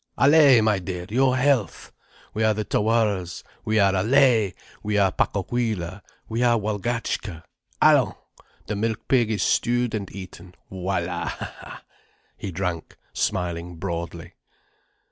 "Allaye, my dear, your health! We are the Tawaras. We are Allaye! We are Pacohuila! We are Walgatchka! Allons! The milk pig is stewed and eaten. Voilà!" He drank, smiling broadly.